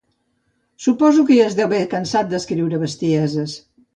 Suposo que ja es deu haver cansat d'escriure bestieses